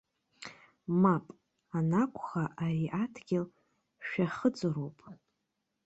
Мап анакәха, ари адгьыл шәахыҵроуп!